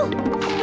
aku jadi pengantin